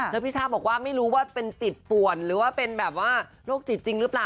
แล้วพี่ช่าบอกว่าไม่รู้ว่าเป็นจิตป่วนหรือว่าเป็นแบบว่าโรคจิตจริงหรือเปล่า